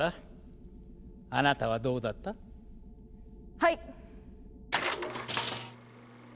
はい。